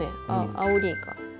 アオリイカ。